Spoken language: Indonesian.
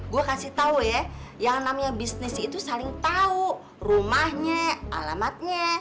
gue kasih tau ya yang namanya bisnis itu saling tahu rumahnya alamatnya